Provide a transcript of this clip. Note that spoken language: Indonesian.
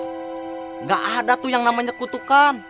tidak ada tuh yang namanya kutukan